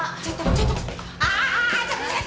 ちょっと何？